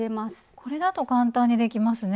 これだと簡単にできますね。